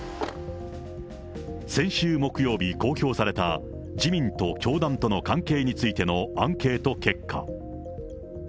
先週木曜日公表された自民と教団との関係についてのアンケート結果。